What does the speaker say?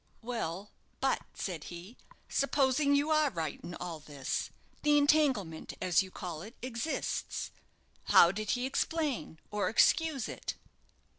"Well, but," said he, "supposing you are right in all this, the 'entanglement,' as you call it, exists. How did he explain, or excuse it?"